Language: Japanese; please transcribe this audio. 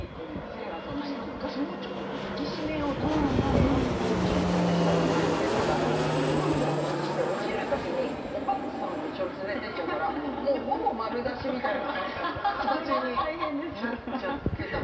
確かに、昔は引き締めようと思って、ぎゅっとしたのをはいていたらどんどん落ちて、落ちる時におぱんつさんも一緒に連れていっちゃうからほぼ丸出しみたいな感じになっちゃってた。